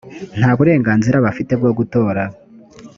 nta burenganzira bafite bwo gutora